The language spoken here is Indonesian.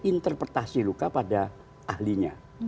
interpretasi luka pada ahlinya